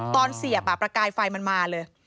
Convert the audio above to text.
เสียบประกายไฟมันมาเลย